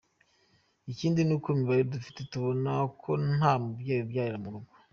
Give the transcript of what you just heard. Ikindi ni uko imibare dufite tubona ko nta mubyeyi ubyarira mu rugo.